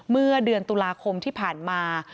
เมื่อเดือนตุลาคมที่ผ่านมา